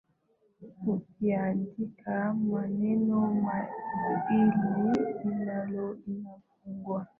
Ukiandika maneno mawili alama inapungua.